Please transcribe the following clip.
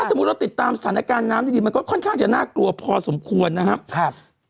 สมมุติเราติดตามสถานการณ์น้ำดีมันก็ค่อนข้างจะน่ากลัวพอสมควรนะครับ